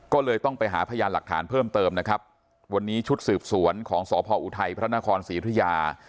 ก็เลยต้องไปหาพยานหลักฐานเพิ่มเติมนะครับวันนี้ชุดสืบสวนของสพออุทัยพระนครศรีธุยา